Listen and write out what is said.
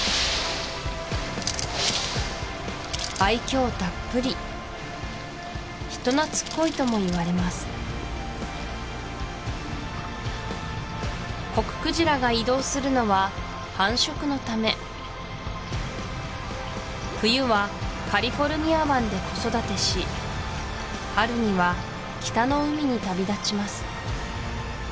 愛嬌たっぷり人懐っこいともいわれますコククジラが移動するのは繁殖のため冬はカリフォルニア湾で子育てし春には北の海に旅立ちます